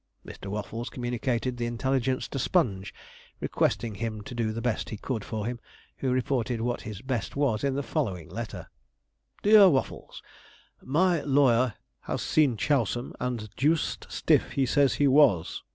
Mr. Waffles communicated the intelligence to Sponge, requesting him to do the best he could for him, who reported what his 'best' was in the following letter: 'DEAR WAFFLES, 'My lawyer has seen Chousam, and deuced stiff he says he was.